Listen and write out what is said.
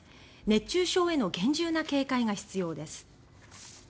熱中症への厳重な警戒が必要です。